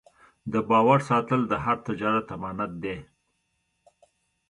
د باور ساتل د هر تجارت امانت دی.